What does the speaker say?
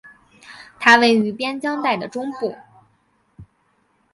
它位于边疆带的中部。